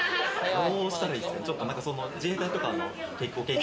どうしたらいいですかね？